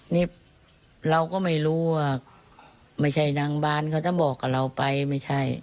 นี่เราก็ไม่รู้ว่าไม่ใช่นางบานเขาจะบอกกับเราไปไม่ใช่